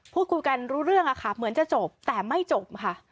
พูดคุยกันรู้เรื่องอะค่ะเหมือนจะจบแต่ไม่จบค่ะ